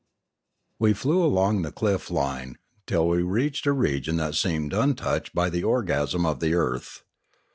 We flew along the cliff line, till we reached a region that seemed untouched by the orgasm of the earth.